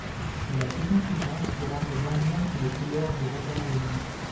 La saison suivante sera sa dernière sous les couleurs du Rudar Velenje.